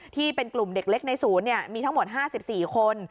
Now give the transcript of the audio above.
ที่เป็นกลุ่มเด็กเล็กในศูนย์มีทั้งหมด๕๔คน